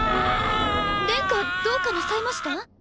殿下どうかなさいました？